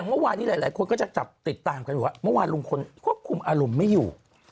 เมื่อวานที่หลายคนก็จะจับติดตามไว้บอกว่าว่าลุงคนควบคุมอารมณ์ไม่อยู่